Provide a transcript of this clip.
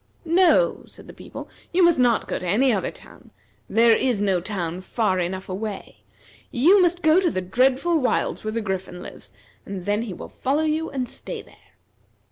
"No," said the people, "you must not go to any other town. There is no town far enough away. You must go to the dreadful wilds where the Griffin lives; and then he will follow you and stay there."